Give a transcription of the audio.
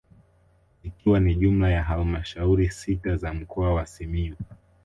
Zikiwa ni jumla ya halmashauri sita za mkoa wa Simiyu